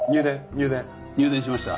入電しました。